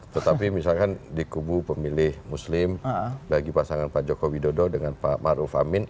tetapi misalkan di kubu pemilih muslim bagi pasangan pak joko widodo dengan pak maruf amin